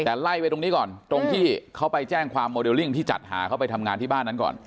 แต่ไล่ไปตรงนี้ก่อนตรงที่เขาไปแจ้งความโมเดลลิ่งที่จัดหาเขาไปทำงานที่บ้านนั้นก่อน